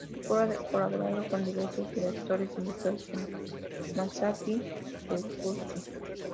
El coro ha colaborado con diversos directores invitados como Masaaki Suzuki.